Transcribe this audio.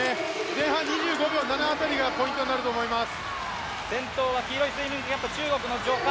前半２５秒７辺りがポイントになると思います。